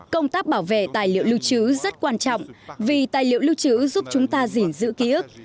công tác bảo vệ tài liệu lưu trữ rất quan trọng vì tài liệu lưu trữ giúp chúng ta gìn giữ ký ức